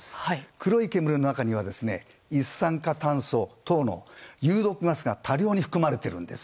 黒い煙の中には一酸化炭素等の有毒ガスが多量に含まれているんです。